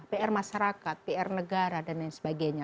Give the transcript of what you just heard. pr masyarakat pr negara dan lain sebagainya